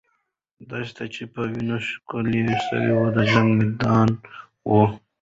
دښته چې په وینو ښکلې سوه، د جنګ میدان وو.